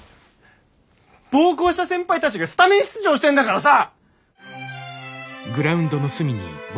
暴行した先輩たちがスタメン出場してんだからさ！